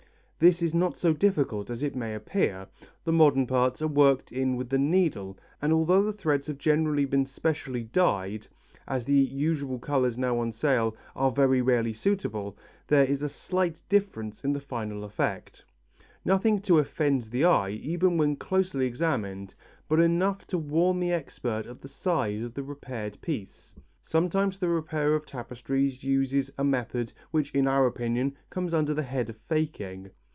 This is not so difficult as it may appear. The modern parts are worked in with the needle and although the threads have generally been specially dyed, as the usual colours now on sale are very rarely suitable, there is a slight difference in the final effect. Nothing to offend the eye, even when closely examined, but enough to warn the expert of the size of the repaired piece. Sometimes the repairer of tapestries uses a method which in our opinion comes under the head of faking.